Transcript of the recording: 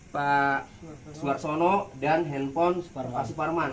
pak suarsono dan handphone pak suparman